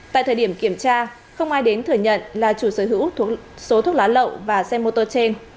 tại thời điểm kiểm tra không ai đến thừa nhận là chủ sở hữu số thuốc lá lậu và xe mô tô trên